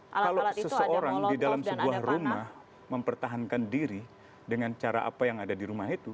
kalau seseorang di dalam sebuah rumah mempertahankan diri dengan cara apa yang ada di rumah itu